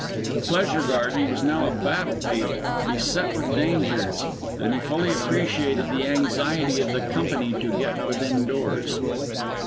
The pleasure garden was now a battlefield, beset with dangers, and he fully appreciated the anxiety of the company to get within doors.